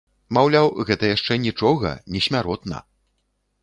Маўляў, гэта яшчэ нічога, не смяротна.